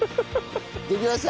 できました！